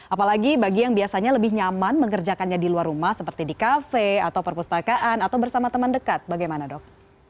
apalagi bagi yang biasanya lebih nyaman mengerjakannya di luar rumah seperti di kafe atau perpustakaan atau bersama teman dekat bagaimana dok